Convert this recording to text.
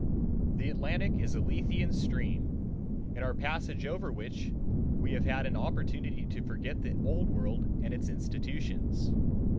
The Atlantic is a Lethean stream, in our passage over which we have had an opportunity to forget the Old World and its institutions.